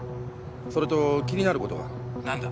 それと気になることが何だ？